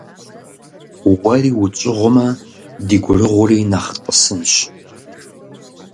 Уэри утщӀыгъумэ, ди гурыгъури нэхъ тӀысынщ.